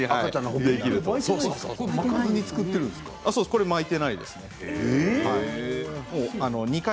これ巻いてないんですか。